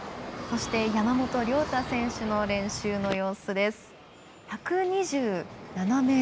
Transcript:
そして山本涼太選手の練習の様子です。